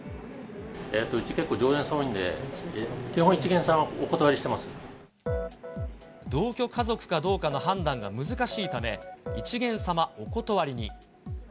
うち、結構常連さん多いんで、基本、同居家族かどうかの判断が難しいため、いちげん様お断りに。